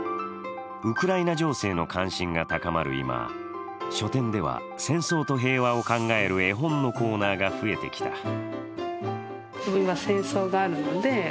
ウクライナ情勢の関心が高まる今、書店では戦争と平和を考える絵本のコーナーが増えてきた。